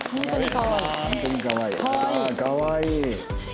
かわいい！